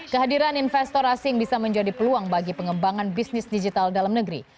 kehadiran investor asing bisa menjadi peluang bagi pengembangan bisnis digital dalam negeri